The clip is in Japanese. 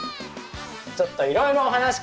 ちょっといろいろお話聞いていっていい？